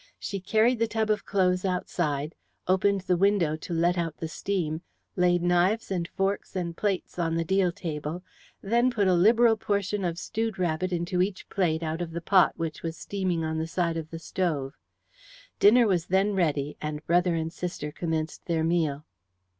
She carried the tub of clothes outside, opened the window to let out the steam, laid knives and forks and plates on the deal table, then put a liberal portion of stewed rabbit into each plate out of the pot which was steaming on the side of the stove. Dinner was then ready, and brother and sister commenced their meal.